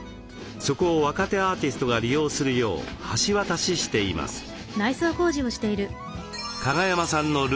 そこを若手アーティストが利用するよう橋渡ししています。